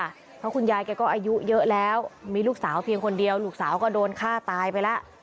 เพราะคุณยายแกก็อายุเยอะแล้วมีลูกสาวเพียงคนเดียวลูกสาวก็โดนฆ่าตายไปแล้ว